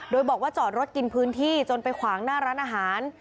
โดยบอกว่าจอดรถกินพื้นที่จนไปขวางหน้าร้านอาหาร